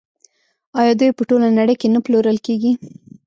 آیا دوی په ټوله نړۍ کې نه پلورل کیږي؟